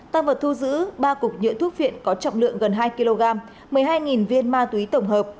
tăng vật thu giữ ba cục nhựa thuốc phiện có trọng lượng gần hai kg một mươi hai viên ma túy tổng hợp